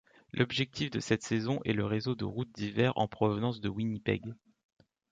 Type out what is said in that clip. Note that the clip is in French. L'objectif de cette saison est le réseau de routes d'hiver en provenance de Winnipeg.